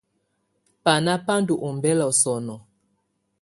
Banà bà ndù ɔmbɛla sɔ̀nɔ.